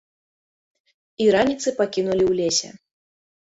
І раніцай пакінулі ў лесе.